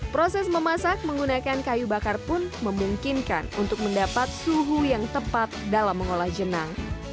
proses memasak menggunakan kayu bakar pun memungkinkan untuk mendapat suhu yang tepat dalam mengolah jenang